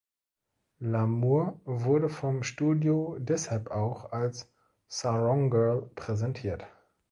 Lamour wurde vom Studio deshalb auch als "Sarong Girl" präsentiert.